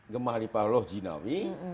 gemah lipah loh jinawi